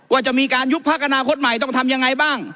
ว่าจะมีการยุบพักอนาคตใหม่ต้องทำยังไงบ้าง